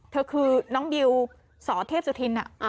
เธอคือน้องบิวสเทพสุธิน